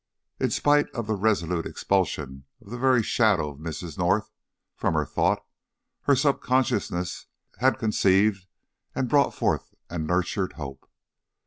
In spite of the resolute expulsion of the very shadow of Mrs. North from her thought, her sub consciousness had conceived and brought forth and nurtured hope.